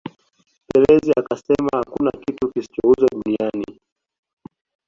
Perez akasema hakuna kitu kisichouzwa duniani